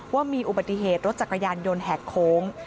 ว่ามีอุบัติเหตุรถจักรยานยนต์แหกโค้ง